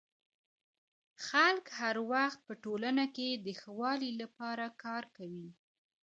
خلک هر وخت په ټولنه کي د ښه والي لپاره کار کوي.